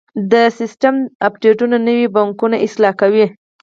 د سیسټم اپډیټونه نوي بګونه اصلاح کوي.